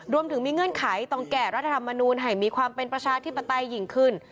รวมถึงมีเงื่อนไขต้องแก้รัฐธรรมนูลให้มีความเป็นประชาธิปไตยยิ่งขึ้น